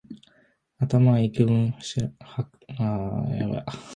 頭はいくぶん白髪のようである